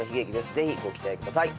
ぜひご期待ください。